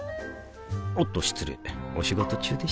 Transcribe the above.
おっと失礼お仕事中でしたか